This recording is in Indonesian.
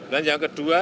dan yang kedua